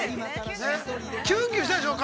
キュンキュンしたでしょう？